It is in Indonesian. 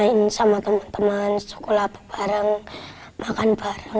saya suka sekali karena banyak teman teman sekolah bareng makan bareng kemana mana bareng